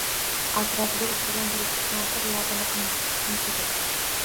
Аtrofida oʼtirgan bir-ikki kampir labini qimtidi.